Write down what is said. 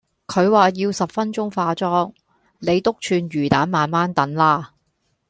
佢話要十分鐘化妝，你篤串魚旦慢慢等啦